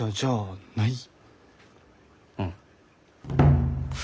うん。